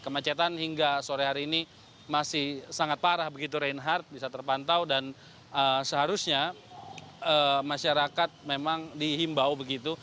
kemacetan hingga sore hari ini masih sangat parah begitu reinhardt bisa terpantau dan seharusnya masyarakat memang dihimbau begitu